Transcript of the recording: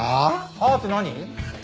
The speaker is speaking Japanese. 「はあ？」って何？